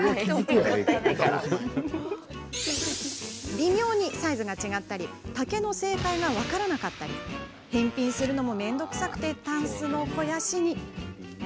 微妙にサイズが違ったり丈の正解が分からなかったり返品するのも面倒くさくてたんすの肥やしに。